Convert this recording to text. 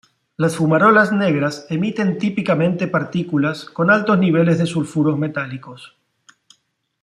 Las fumarolas negras emiten típicamente partículas con altos niveles de sulfuros metálicos.